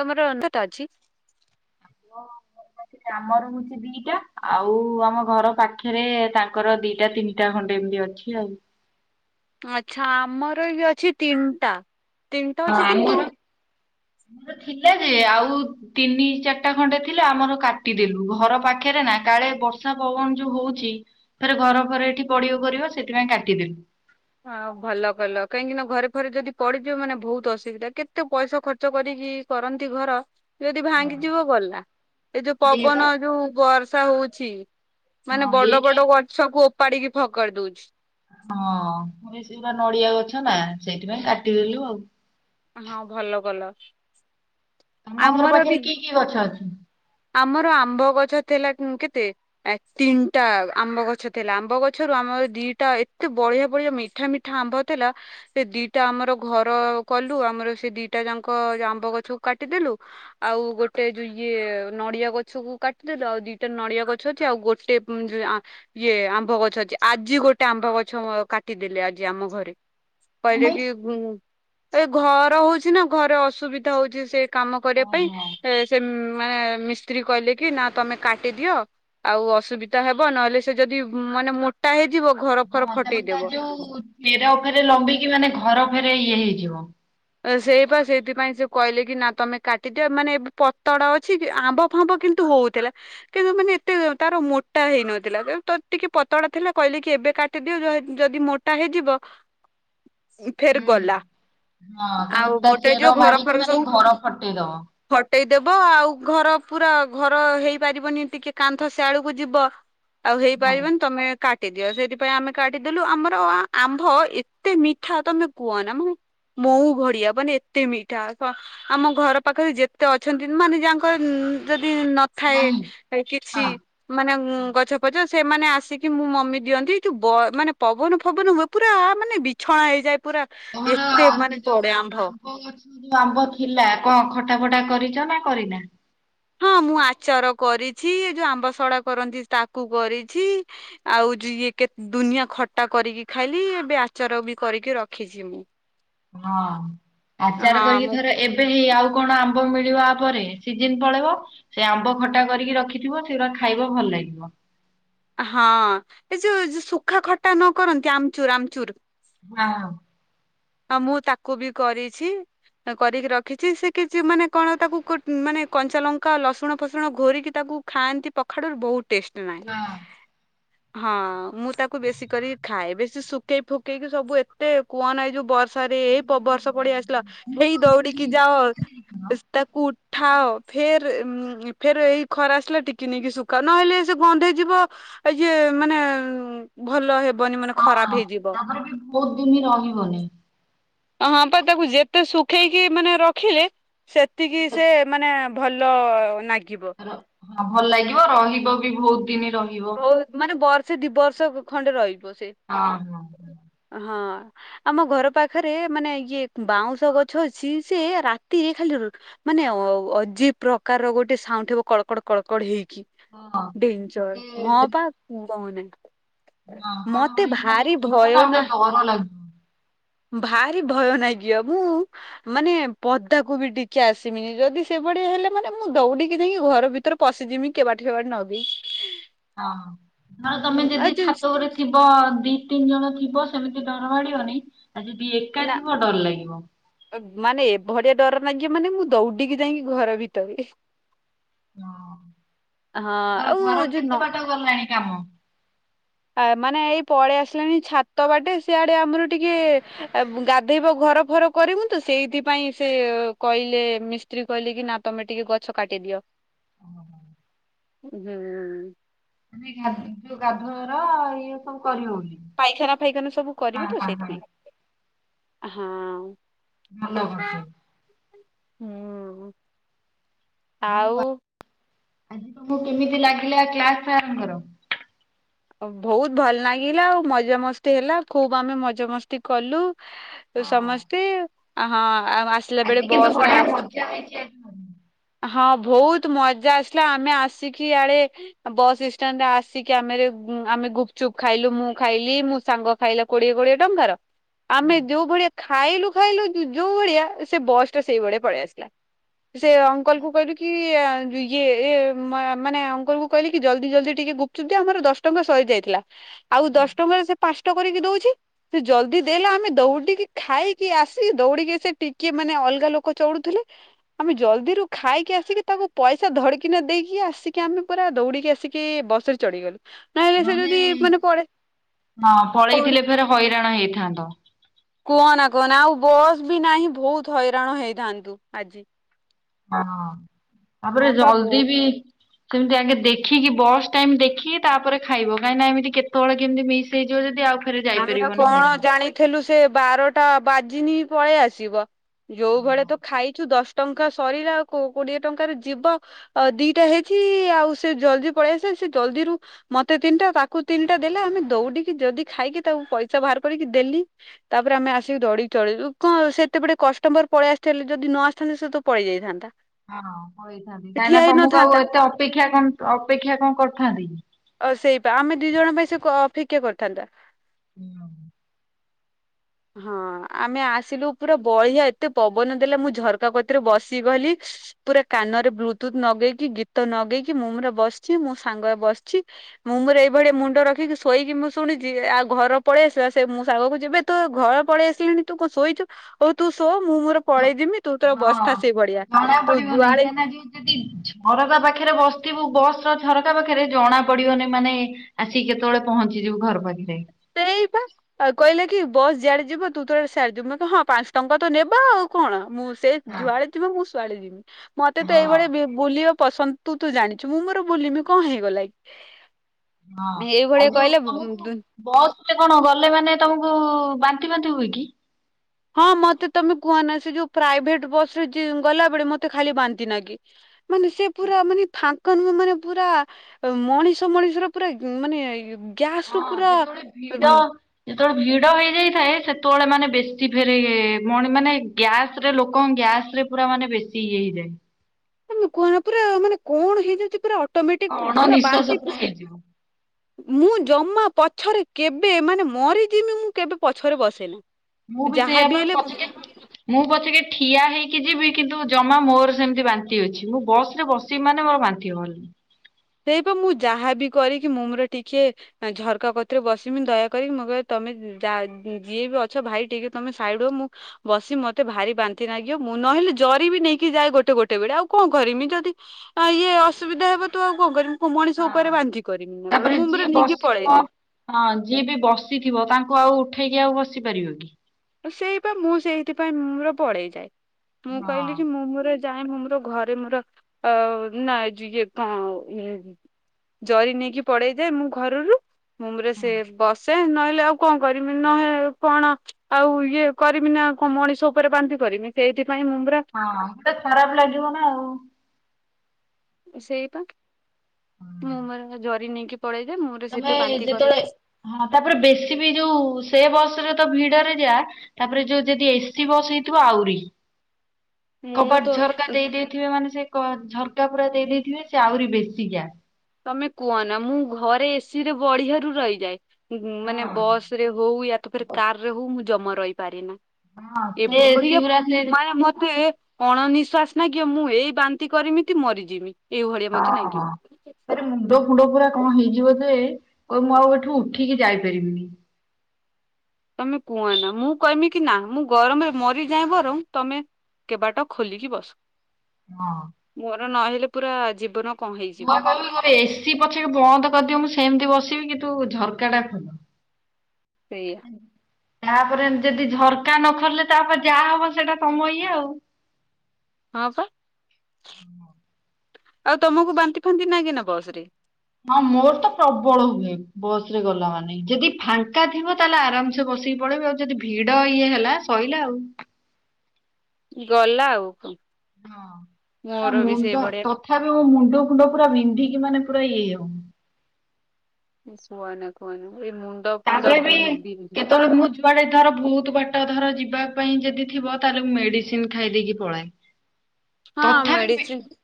ତମର ଅନ୍ଧଟା ଅଛି? ହ [unintelligible] ଆମର ହଉଛି ଦିଟା ଆଉ ଆମ ଘର ପାଖରେ ତାଙ୍କର ଦିଟା ତିନିଟା ଖଣ୍ଡେ ଏମିତି ଅଛିି ଆଉ। ଆଛା ଆମର ଇ ବି ଅଛି ତିନିଟା। ତିନିଟା ଅଛି କିନ୍ତୁ ଆମରଥିଲା ଯେ ଆଉ ଆଉ ତିନି ଚାର୍ଟା ଖଣ୍ଡେ ଥିଲା ଆମର କାଟିଦେଲୁ ଘର ପାଖରେ ନା କାଳେ ବର୍ଷା ପବନ ଯୋଉ ହଉଛି ଥରେ ଘର ଫରେ ଏଠି ପଡିବ କରିବ ସେଥିପାଇଁ କାଟିଦେଲୁ। ହଁ! ଭଲ କଲ କାହିଁକି ନା ଘରେ ଫେରେ ଯଦି ପଡିଯିବ, ମାନେ ବହୁତ୍ ଅସୁବିଧା। କେତେ ପଇସା ଖର୍ଚ୍ଚ କରି ହେ କରନ୍ତି ଘର। ଯଦି ଭାଙ୍ଗିଯିବ ଗଲା, ଏ ଯଉ ଏଇ ବା ପବନ ଯଉ ବର୍ଷା ହଉଛି। ମାନେ ହଁ ବଡ଼ ଏଇଟା ବଡ଼ ଗଛ କୁ ଓପାଡ଼ି କି ଫକାଡି ଦଉଛି। ହଁ! ସେଉରା ନଡିଆ ଗଛ ନା, ସେଇଥିପାଇଁ କାଟିଦେଲୁ। ଆଉ ହଁ! ଭଲ କଲ। ତମ ଘର ଆମର ବି ପାଖରେ କି କି ଗଛ ଅଛି? ଆମର ଆମ୍ବ ଗଛ ଥିଲା କେତେ? ତିନ୍‌ଟା ଆମ୍ବ ଗଛ ଥିଲା। ଆମ୍ବ ଗଛ ଆମର ଦିଟା ଏତେ ବଢ଼ିଆ ବଢ଼ିଆ ମିଠା ମିଠା ଆମ୍ବ ଥିଲା। ସେ ଦିଟା ଆମର ଘର କଲୁ ଆମର ସେ ଦିଟା ଯା ଙ୍କ ଆମ୍ବ ଗଛକୁ କାଟିଦେଲୁ। ଆଉ ଗୋଟେ ଯଉ ଇଏ ନଡିଆ ଗଛ କୁ କାଟିଦେଲୁ, ଆଉ ଦିଟା ନଡିଆ ଗଛ ଅଛି। ଆଉ ଗୋଟେ ଆଁ ଇଏ ଆମ୍ବ ଗଛ ଅଛି ଆଜି ଗୋଟେ ଆମ୍ବ ଗଛ କାଟିଦେଲେ, ଆଜି ଆମ ଘରେ। କଣ କହିଲେ ଭାଇ? କି ଏ ଘର ହଉଛି ନା ଘରେ ଅସୁବିଧା ହଉଛି। ସେ କାମ କରିବା ପାଇଁ ଓହୋ ସେ ମା ମିସ୍ତ୍ରୀ କହିଲେ, କି ନା ତମେ କାଟିଦିଅ। ଆଉ ଅସୁବିଧା ହେବ। ନହେଲେ ସେ ଯଦି ମାନେ ମୋଟା ହେଇଯିବ। ଘର ଫର ହଁ ତାପରେ ତା ଫଟେଇଦବ। ଯଉ ଚେର ଉପରେ ଲମ୍ବିକି, ମାନେ ଘର ଫେରେ ଇଏ ହେଇଯିବ। ସେଇପା ସେଇଥିପାଇଁ ସେ କହିଲେ କି ନା ତମେ କାଟିଦିଅ। ମାନେ ଏବେ ପତଡ ଅଛି କି ଆମ୍ବ ଫାମ୍ବ କିନ୍ତୁ ହଉଥିଲା, କିନ୍ତୁ ମାନେ ଏତେ ତାର ମୋଟା ହେଇନଥିଲା। ଟିକେ ପତଡା ଥିଲା କହିଲେ କି ଏବେ କାଟିଦିଅ, ଯଦି ମୋଟା ହେଇଯିବ ଫେର୍ ହୁଁ ଗଲା। ହଁ ତାପରେ ଆଉ ତା ମୋଟେଇ ଯିବ, ଚେର ଘର ମାଡିକି ଫର ମାନେ ସବୁ ଘର ଫଟେଇଦବ। ଫଟେଇ ଦେବ। ଆଉ ଘର ପୁରା ଘର ହେଇପାରିବନି। ଟିକେ କାନ୍ଥ ସିଆଡ କୁ ଯିବ। ଆଉ ହଁ ହେଇପାରିବନି। ତମେ କା ଏତେ ଦିଅ ସେଇଥି ପାଇଁ ଆମେ କାଟିଦେଲୁ, ଆମର ଆମ୍ଭ ଏତେ ମିଠା ତମେ କୁହ ନା। ମୁଁ ମଉ ଘଡିଆ ମାନେ ଏତେ ମିଠା, ଆମ ଘର ପାଖରେ ଯେତେ ଅଛନ୍ତି। ମାନେ ଯା ଙ୍କର ନଥାଏ ନାହିଁ କିଛି ହଁ ହଁ। ମାନେ ଗଛ ପଛ। ସେମାନେ ଆସିକି ମୁଁ ମମି ଦିଅନ୍ତି। ଯଉ ବ ମାନେ ପବନ ଫବନ ହୁଏ, ପୁରା ମାନେ ବିଛଣା ହେଇଯାଏ। ପୁରା ଏତେ ମାନେ ପଡେ ଆମ୍ଭ। ଯଉ ଆମ୍ବ ଥିଲା କ'ଣ ଖଟା ଫଟା କରିଚ ନା କରିନା? ଛି ଯଉ ଆମ୍ବ ସଡା କରନ୍ତି, ତାକୁ କରିଛି। ଆଉ ଯିଏ କେ ଦୁନିଆ ଖଟା କରିକି ଖାଇଲି, ଏବେ ଆଚାର ବି କରିକି ରଖିଛି। ମୁଁ! ହଁ! ଆଚାର ହଁ କରିକି ମୁଁ ଥରେ ଏବେ ହିଁ ଆଉ କଣ ଆମ୍ବ ମିଳିବା ଆ ପରେ ସିଜିିନ୍‌ ପଳେଇବ। ସେ ଆମ୍ବ ଖଟା କରିକି ରଖିଥିବ। ସେଇଗୁରା ଖାଇବ ଭଲ ଲାଗିବ ହଁ! ଏ ଯଉ ଶୁଖା ଖଟା ନ କରନ୍ତି ଆମ୍ଚୁର୍ ଆମ୍ଚୁର୍। ହଁ ହଁ! ମୁଁ ତାକୁ ବି କରିଛି। କରିକି ରଖିଛି। ସେ କିଛି ମାନେ କ'ଣ ତାକୁ କୁ ମାନେ କଞ୍ଚା ଲଙ୍କା, ଲସୁଣ ଫସୁଣ ଘୋରିକି ତାକୁ କୁ ଖାଆନ୍ତି ପଖାଡରୁ ବହୁତ୍ ଟେଷ୍ଟି ନାଗେ। ହଁ। ହଁ! ମୁଁ ତାକୁ ବେଶୀ କରି ଖାଏ। ବେଶୀ ଶୁଖେଇ ଫୁକେଇକି ସବୁ ଏତେ କୁହନା ଏଯଉ ସରେ ଏ ପ ବର୍ଷା ବଢ଼ି ଆସିଥିଲା। ମୁଁ ହେଇ କଣ ତମେ ଦୌଡିକି ନିଜେ ଯାଅ କରିଥିଲ? ତାକୁ ଉଠାଅ ଫେର୍ ଫେରେ ଏଇ ଖରା ଆସିଲା ଟିକେ ନେଇକି ଶୁଖାଅ, ନହେଲେ ସେ ଗନ୍ଧେଇଯିବ। ଇଏ ମାନେ ଭଲ ହେ ହଁ! ତାପରେ ବି ବହୁତ୍ ଦିନ୍ ରହିବନି। ହଁ! ପା ତାକୁ ଯେତେ ଶୁଖେଇକି ମାନେ ରଖିଲେ। ସେତିକି ସେ ମାନେ ଭଲ ନା ର ହଁ! ଭଲ ଲାଗିବ ରହିବ ବି, ବହୁତ ଦିନ୍‌ ରହିବ। ସେ ଦିବର୍ଷ ଖଣ୍ଡେ ରହିଯିବ ସେ। ହଁ ହଁ! ଆମ ଘର ପାଖରେ ମାନେ ଇଏ ବାଉଁଶ ଗଛ ଅଛି। ସିଏ ରାତିରେ ଖାଲି ମାନେ ଅଜିବ୍ ପ୍ରକାରର ଗୋଟେ ସାଉଁଣ୍ଟୁ ହବ। ମାନେ କଳକଡ କଳକଡ ହେଇ କି ହଁ ହଁ ଡେଞ୍ଜର୍ ସେ ହଁ! ପା କହନାଇଁ। ହଁ କଡ଼ କଡ଼ ହେଇକିନା ଥିବ ଭୟ ତାକୁ ନା ଟିକେ ଡର ଲାଗିବ। ଭାରି ଭୟ ନାଗିବ କିଅ ମୁଁ ମାନେ ପଦାକୁ ବି ଟିକେ ଆସିମିନି ଯଦି ସେପଟେ ହେଲେ ମାନେ ମୁଁ ଦଉଡିକି ଯାଇକି ଘର ଭିତରେ ପଶିଯିମି କେବାଟ କେବାଟ ନଦେଇ ହଁ ହଁ ତମେ ଯଦି ଛାତ ଘରେ ଥିବ ଦି ତିନି ଜଣ ଥିବ ସେମି ତି ଡର ମାଡିବନି ଆ ଯଦି ଏକା ନା ଥିବ ଡର ଲାଗିବ। ମାନେ ଏଭଳିଆ ଡର ଲାଗିବ ମାନେ ମୁଁ ଦୌଡିକି ଯାଇକି ଘର ଭିତରେ। ହଁ ହଁ ତମର ଆଉ ଘର ଯୋଉ ନ କେତେ ବାଟ ଗଲାଣି କାମ? ଆ ମାନେ ଏଇ ପଳେଇ ଆସିଲାଣି ଛାତ ବାଟେ ସିଆଡେ ଆମର ଟିକେ ଆ ଗାଧେଇ ବକୁ ଘର ଫର କରିବୁ ତୁ ସେଇଥିପାଇଁ ସେ କହିଲେ ମିସ୍ତ୍ରୀ କହିଲେ କି ନା ତମେ ଟିକେ ଗଛ କାଟି ଦିଅ ହୁଁ। [unintelligible] ଯୋଉ ଗାଧୁଆ ଘର ଇଏ ସବୁ କରି ହଉନି। ପାଇଖାନା ଫାଇଖାନା ସବୁ କରିବେ ତ ସେଇଥିପାଇଁ ହଁ। ଭଲ କରିଚନ୍ତି। ହୁଁ ଆଉ? ଆଜି ତମକୁ କେମିତି ଲାଗିଲା କ୍ଲାସ୍ ସାର୍ ଙ୍କର? ବହୁତ ଭଲ ଲାଗିଲା ଆଉ ମଜାମସ୍ତି ହେଲା ଖୁବ ଆମେ ମଜାମସ୍ତି କଲୁ। ସମସ୍ତେ ହଁ। ଆ ଆସିଲା ବେଳେ ଆଜି କିନ୍ତୁ ବସରେ ବଢିଆ ଆସ ମଜା ହେଇଛି ଆଜି ହଁ ବହୁତ ମଜା ଆସିଲା ଆମେ ଆସିକି ଆଡେ ବସ୍ ଷ୍ଟାଣ୍ଡରେ ଆସିକି ଆମେ ଆମେ ଗୁପଚୁପ ଖାଇଲୁ ମୁଁ ଖାଇଲି ମୋ ସାଙ୍ଗ ଖାଇଲା କୋଡିଏ କୋଡିଏ ଟଙ୍କାର ଆମେ ଯୋଉ ଭଳିଆ ଖାଇଲୁ ଖାଇଲୁ ଯୋଉ ଭଳିଆ ସେ ବସ୍ ଟା ସେଇ ଭଳିଆ ପଳେଇ ଆସିଲା। ସେ ଅଙ୍କଲକୁ କହିଲୁ କି ଆ ଇଏ ଏ ମାନେ ଅଙ୍କଲ କହିଲି ଜଲଦି ଜଲଦି ଟିକେ ଗୁପଚୁପ ଦିଅ ଆମର ଦଶ ଟଙ୍କା ସରିଯାଇଥିଲା। ଆଉ ଦଶ ଟଙ୍କାରେ ସେ ପାସ୍ ଟ କରିକି ଦଉଛି ସେ ଜଲଦି ଦେଲା ଆମେ ଦୌଡିକି ଖାଇକି ଆସି ଦୌଡିକି ଆସି ଟିକେ ମାନେ ଅ ଅଲଗା ଲୋକ ଚଢୁଥିଲେ ଆମେ ଜଲଦିରୁୁ ଖାଇକି ଆସିକି ତାଙ୍କୁ ପଇସା ଧଡିକିନା ଦେଇକି ଆସିକି ଆ ଆମେ ପୁରା ଦୌଡିକି ଆସିକି ବସରେ ଚଢିଗଲୁ। ସେ ଯଦି ନହେଲେ ମାନେ ପଡେ ହଁ ପଡେ ପଳେଇଥିଲେ ଫେରେ ହଇରାଣ ହେଇଥାନ୍ତ। କୁହନା କୁହନା ଆଉ ବସ୍ ବି ନାହିଁ ବହୁତ ହଇରାଣ ହେଇଥାନ୍ତୁ ଆଜି। ହଁ ତାପରେ ହଁ ପା ବହୁତ ଜଲଦି ବି ସେମିତି ଆଗେ ଦେଖିକି ବସ୍ ଟାଇମ ଦେଖିକି ତାପରେ ଖାଇବ କାହିଁକିନା ଏମିତି କେତେବେଳେ କେମିତି ମିଶ ହେଇଯିବ ଯଦି ଆଉ ଫେରେ ଆମେ ଯାଇପାରିବନି କଣ ହଇରାଣ। ଜାଣିଥିଲୁ ସେ ବାରଟା ବାଜିନି ପଳେଇ ଆସିବ। ଯୋଉ ଭଳେ ତ ଖାଇଛୁ ଦଶ ଟଙ୍କା ସରିଲା ଆଉ କୋ କୋଡିଏ ଟଙ୍କାରେ ଯିବ ଅ ଦିଟା ହେଇଛି ଆଉ ସେ ଜଲଦି ପଳେଇ ଆସ ସେ ଜଲଦିରୁ ମତେ ତିନିଟା ତାକୁ ତିନିଟା ଦେଲେ ଆମେ ଦୋଡିକି ଯଦି ଖାଇକି ତାଉ ପଇସା ବାହାର କରିକି ଦେଲି ତାପରେ ଆମେ ଆସିକି ଦଡିକି ଚଡିଲୁ କଣ ସେତେବେଟେ କଷ୍ଟମର ପଳେଇ ଆସ ଥେଲେ ଯଦି ନ ଆସିଥାଆନ୍ତି ସେ ତ ପଳେଇ ଯାଇଥାନ୍ତା। ହଁ ହୋଇଥାନ୍ତି ସେ ଠିଆ କାହିଁକିନା ହେଇ ତମକୁ ଆଉ ନଥାନ୍ତା। ଏତେ ଅପେକ୍ଷା କଣ ଅପେକ୍ଷା କଣ କରିଥାନ୍ତି କି? ଅ ସେଇପା ଆମେ ଦି ଜଣ ପାଇଁ ସେ କ ଅପେକ୍ଷା କରିଥାନ୍ତା। [unintelligible] ହଁ ଆମେ ଆସିଲୁ ପୁରା ବଢିଆ ଏତେ ପବନ ଦେଲା ମୁଁ ଝରକା କତିରେ ବସିଗଲି। ପୁରା କାନରେ ବ୍ଲୁଟୁଥ ନଗେଇକି ଗୀତ ନଗେଇକି ମୁଁରେ ବସିଛି ମୋ ସାଙ୍ଗରେ ବସିଛି। ମୁଁ ମଁର ଏଇଭଳିଆ ମୁଣ୍ଡ ରଖିକି ଶୋଇକି ମୁଁ ଶୁଣିଛି ଆଉ ଘର ପଳେଇ ଆସିଲା ମୁଁ ସେ ମୋ ସାଙ୍ଗକୁ କଚି ଇବେ ତୁ ଘର ପଳେଇ ଆସିଲିଣି ତୁ ଶୋଇଛୁ ହୋଉ ତୁ ଶୋ ମୁଁ ମୋର ପଳେଇ ଯିମି ତୁ ତୋର ହଁ ବସିଥା ସେଇ ଭଳିଆ। ଜଣା ତୁ ପଡିବନିଁ ଯୁଆଡେ କାହିଁକିନା ଯୋଉ ଯଦି ଝରକା ପାଖରେ ବସ ଇବୁ ବସର ଝରକା ପାଖରେ ଜଣା ପଡିବନି ମାନେ ଆସିକି କେତେବେଳେ ପହଞ୍ଚି ଯିବୁ ଘର ପାଖରେ। ସେଇବା ଆଉ କହିଲେ କି ବସ୍ ଯେଆଡେ ଯିବ ତୁ ତର ସେୟାଡେ ଯିବୁ ହଁ ପାଞ୍ଚ ଟଙ୍କା ତ ନେବା ଆଉ କଣ ମୁଁ ସେ ହଁ ଯୁଆଡେ ଯିବ ମୁଁ ଶୁଆଡେ ଯିବି ମତେ ତ ହଁ ଏଇଭଳି ବି ବୁଲିବା ପସନ୍ଦ ତୁ ତୁ ଜାଣିଛୁ ମୁଁ ମୋର ବୁଲିମି କଣ ହେଇଗଲା ହଁ ଆଉ ଏଇଭଳିଆ ଯୋଉ କହିଲେ ତମକୁ ଦୁ ବ ତେ କଣ ଗଲେ ମାନେ ତମକୁ ବାନ୍ତି ବାନ୍ତି ହୁଏ କି? ହଁ ମତେ ତମେ କୁହ ନା ସେ ଯୋଉ ପ୍ରାଇଭେଟ ବସରେ ଗଲାବେଳେ ମତେ ଖାଲି ବାନ୍ତି ନାଗେ? ମାନେ ସେ ପୁରା ମାନେ ଫାଙ୍କ ନୁହେଁ ମାନେ ପୁରା ମଣିଷ ମଣିଷର ପୁରା ମାନେ ଗ୍ୟାସ ହଁ ରୁ ପୁରା ଯେତେବେଳେ ଭିଡ଼ ଯେତେବେଳେ ଭିଡ଼ ହେଇଯାଇଥାଏ ସେତେବେଳେ ମାନେ ବେଶୀ ଫେରେ ମଣି ମାନେ ଗ୍ୟାସ ରେ ଲୋକ ଗ୍ୟାସ୍ ସେ ପୁରା ମାନେ ବେଶୀ ଇଏ ହେଇଯାଏ। ତମେ କୁହନା ପୁରା ମାନେ କଣ ହେଇଯାଉଛି ପୁରା ଅଟମେଟିକ ଅଣ ପୁରା ନିଶ୍ୱାସ ବାନ୍ତି ପୁରା [unintelligible] ହେଇଯିବ। ମୁଁ ଜମା ପଛରେ କେବେ ମାନେ ମରିଯିମି ମୁଁ କେବେ ପଛରେ ବସେ ନା। ମୁଁ ବି ସେଇଆ ପାଇଁ ପଛକେ ମୁଁ ପଛକେ ଠିଆ ହେଇକି ଯିବି କିନ୍ତୁ ଜମା ମୋର ସେମିତି ବାନ୍ତି ଅଛି ମୁଁ ବସ ରେ ବସିିବି ମାନେ ମୋର ବାନ୍ତି ହବଣି ସେଇ ପା ମୁଁ ଯାହାବି କରିକି ମୁଁ ମୋର ଟିକେ ଝରକା କତିରେ ବସମି ଦୟା କରିକି ମୁଁ କହିଲ ତମେ ଯା ଯିଏ ଅଛ ଭାଇ ଟିକେ ତମେ ସାଇଡି ହୁଅ ବସି ମତେ ଭାରି ବାନ୍ତି ନାଗିବ ମୁଁ ନହେଲେ ଜରି ବି ନେଇକି ଯାଏ। ଗୋଟେ ଗୋଟେ ବେଳେ ଆଉ କଣ କରିମି ଯଦି ଇଏ ଅସୁବିଧା ହେବ ତୁ ଆଉ କଣ ମୁଁ ମଣିଷ ଉପରେ ହଁ। ବାନ୍ତି କରିବି ନା କଣ ତାପରେ ମୁଁ ଯିଏ ନିଜେ ବସିଥିବ ପଳେଇଯାଏ। ହଁ ଯିଏ ବି ବସିଥିବ ତାଙ୍କୁ ଆଉ ଉଠେଇକି ଆଉ ବସି ପାରିବ କି? ସେଇପା ମୁଁ ସେଇଥିପାଇଁ ମୋର ପଳେଇ ଯାଏ ମୁଁ କହିଲି କି ହଁ ମୁଁ ମୋର ଯାଇ ମୁଁ ମୋର ଘରେ ମୋର ନାଇଁ ଇଏ କଣ ଇଏ ଜରି ନେଇକି ପଳେଇଯାଏ ମୁଁ ଘରରୁ। ମୁଁ ରୁମରେ ବସେ ନହେଲେ ଆଉ କଣ କରିମି ନହେଲେ କଣ ଆଉ ଇଏ କରିମି ନା ମଣିଷ ଉପରେ ବାନ୍ତି କରିବି ସେଇଥିପାଇଁ ମୁଁ ପୁରା ହଁ ମତେ ଖରାପ ଲାଗିବ ନା ଆଉ। ସେଇପା ମୁଁ ମୋର ଜରି ନେଇକି ପଳେଇଯାଏ ମୋର ତମେ ସେଇଟା ବାନ୍ତି କରେ ଯେତେବେଳେ ହଁ ତାପରେ ବେଶୀ ବି ଯୋଉ ସେ ବସରେ ଭିଡରେ ଯା ତାପରେ ଯୋଉ ଯଦି ଏସି ବସ ହେଇଥିବ ଆହୁରି ମୁଁ କବାଟ ତ ଝରକା ଦେଇଦେଇଥିବେ ମାନେ ସେ ଝରକା ପୁରା ଦେଇ ଦେଇଥିବେ ସେ ଆହୁରି ବେଶୀ ଗ୍ୟାସ। ସିରେ ବଢିଆରୁ ରହିଯାଏ ମାନେ ହଁ। ବସ ରେ ହଉ ୟା ତ ଫେରେ କାରରେ ହଉ ମୁଁ [unintelligible] ଜମା ରହିପାରେ ନା ହଁ ସେ ଏଭଳିଆ ଏସିଗୁରା ସେ ହଁ। ମାନେ ମତେ ଅଣ ନିିଶ୍ୱାସି ନାଗିବ ମୁଁ ଏଇ ବାନ୍ତି କରିମି କି ମରିଯିବି ଏଇଭଳିଆ ମୋତେ ନାଗିବି। ମୁଣ୍ଡ ଫୁଣ୍ଡ ପୁରା କଣ ହେଇଯିବ ଯେ କହିବୁ ମୁଁ ଆଉ ଏଠୁ ଉଠିକି ଯାଇପାରିବିନି। ତମେ କୁହ ନା ମୁଁ କହିବି କି ନା ମୁଁ ଗରମରେ ମରିଯାଏ ବରଂ ତମେ କବାଟ ଖୋଲିକି ବସ ହଁ। ମୋର ନହେଲେ ପୁରା ଜୀବନ କଣ ମୋର ହେଇଯିବ କହିବି ଏସି ପଛରେ ବନ୍ଦ କରିଦିଅ ମୁଁ ସେମିତି ବସି କିନ୍ତୁ ଝରକାଟା ଖୋଲ। ସେଇଆ। ତାପରେ ଯଦି ଝରକା ନ ଖୋଲିଲେ ତାପରେ ଯାହା ହବ ସେଇଟା ତମ ଇଏ ଆଉ। ହଁ ପା ଆଉ ତମକୁ ବାନ୍ତି ଫାନ୍ତି ନାଗେ ନା ବସ ରେ? ହଁ ମୋର ତ ପ୍ରବଳ ହୁଏ ବସ ରେ ଗଲା ମାନେ ଯଦି ଫାଙ୍କା ଥିବ ତାହେଲେ ଆରାମ ସେ ବସିକି ପଳେଇବି ଆଉ ଯଦି ଭିଡ ଇଏ ହେଲା ଶଇଲା ଆଉ। ଗଲା ଆଉ। ହଁ ମୋର ବି ମୁଣ୍ଡ ସେଇଭଳିଆ ତଥାପି ମୋ ମୁଣ୍ଡ ଫୁଣ୍ଡ ପୁରା ବିନ୍ଧିକି ମାନେ ପୁରା ଇଏ ହୁଏ। କୁହନା କୁହନା ଏଇ ମୁଣ୍ଡା ଫୁଣ୍ଡା ବୁ ବି କେତେବେଳେ ମୁଁ ଯୁଆଡେ ଧର ବହୁତ ବାଟ ଧର ଯିବା ପାଇଁ ଯଦି ଥିବ ତାହେଲେ ମୁଁ ମେଡିସିନ ଖାଇଦେଇକି ପଳାଏ। ହଁ ତଥାପି ମେ ମେଡ଼ିସିନ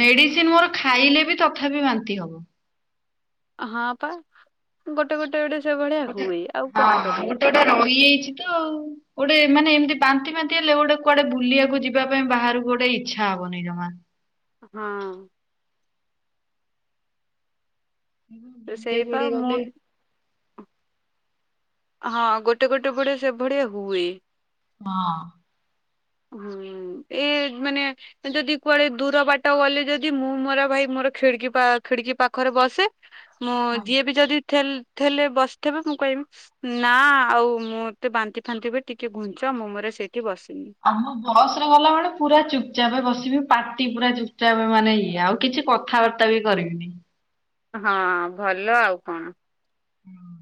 ମେଡିସିନ ମୋର ଖାଇଲେ ବି ତଥାପି ବାନ୍ତି ହବ। ହଁ ପା ଗୋଟେ ଗୋଟେ ଗୋଟେ ସେଭଳିଆ ଗୋଟେ ହୁଏ ଆଉ ହ କଣ କରିବା ଗୋଟେ ଗୋଟେ ରହିଯାଇଛି ତ ଆଉ। ମାନେ ଏମିତି ବାନ୍ତି ଫାନ୍ତି ହେଲେ ଗୋଟେ କୁଆଡେ ବୁଲିବାକୁ ଯିବା ପାଇଁ ବାହାରକୁ ଗୋଟେ ଇଚ୍ଛା ହବନି। ହଁ [inaudible] ବୁଲିବାକୁ ସେଇପା ଗୋଟେ ମୁଁ ଗଲେ - ହଁ ଗୋଟେ ଗୋଟେ ଭଳିଆ ସେଭଳିଆ ହୁଏ। ହଁ। [inaudible] ହୁଁ ଏ ମାନେ ଯଦି କୁଆଡ଼େ ଦୂର ବାଟ ଗଲେ ଯଦି ମୁଁ ମୋର ଭାଇ ମୋର ଖେଳି କିବା ଖେଡ଼ିକି ପାଖରେ ବସେ ମୁଁ ହଁ। ଯିଏ ବି ଯଦି ଠେଲେ ଠେଲେ ବସିଥିବ ମୁଁ କହିବି ନା ଆଉ ମୁଁତେ ବାନ୍ତି ଫାନ୍ତି ବି ଟିକେ ଘୁଞ୍ଚ ମୁୋ ମରେ ସେଠି ଆମ ବସ୍ ରେ ଗଲା ବେଳେ ପୁରା ଚୁପ୍ ଚାପେ ବସିବି। ପାଟି ପୁରା ଚୁପ୍ ଚାପ୍ ମାନେ ଇଏ ଆଉ କିଛି କଥାବାର୍ତ୍ତା ବି କରିବିନି। ହଁ ଭଲ ଆଉ କଣ। ହୁଁ।